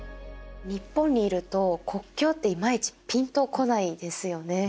日本にいると国境っていまいちピンと来ないですよね。